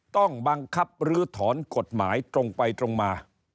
ต้องบังคับลื้อถอนกฎหมายตรงไปตรงมา